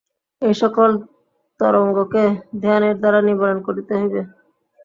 এই-সকল তরঙ্গকে ধ্যানের দ্বারা নিবারণ করিতে হইবে।